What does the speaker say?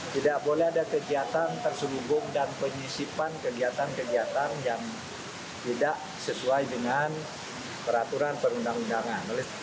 tidak boleh ada kegiatan terselubung dan penyisipan kegiatan kegiatan yang tidak sesuai dengan peraturan perundang undangan